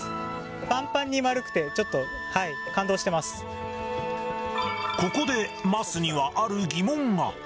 ぱんぱんに丸くて、ちょっとここで桝にはある疑問が。